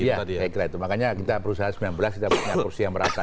iya saya kira itu makanya kita berusaha sembilan belas kita punya kursi yang merata